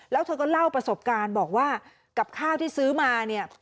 แล้วเธอก็เล่าประสบการณ์บอกว่ากับข้าวที่ซื้อมาเนี่ย